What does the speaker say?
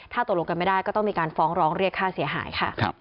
ถ้าตกลงกันไม่ได้ก็ต้องมีการฟ้องร้องเรียกค่าเสียหายค่ะ